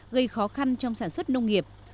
gây khó khăn trong sản xuất nông nghiệp